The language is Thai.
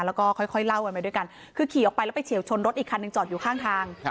แล้วก็ค่อยเล่ากันไปด้วยกันคือขี่ออกไปแล้วไปเฉียวชนรถอีกคันหนึ่งจอดอยู่ข้างทาง